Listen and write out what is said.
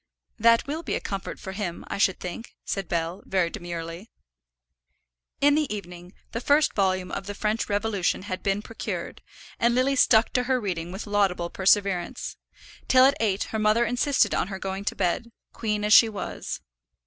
"That will be a comfort for him, I should think," said Bell, very demurely. In the evening the first volume of the French Revolution had been procured, and Lily stuck to her reading with laudable perseverance; till at eight her mother insisted on her going to bed, queen as she was.